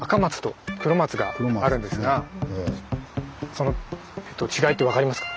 その違いって分かりますか？